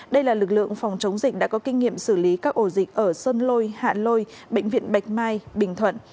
đây là lực lượng phòng chống dịch đã có kinh nghiệm xử lý các ổ dịch ở sơn lôi hạ lôi bệnh viện bạch mai bình thuận